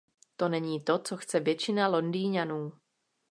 To není to, co chce většina Londýňanů.